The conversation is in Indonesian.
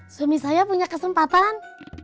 suami saya punya kesempatan